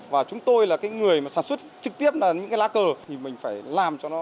và chúng tôi là người sản xuất trực tiếp những lá cờ thì mình phải làm cho nó đẹp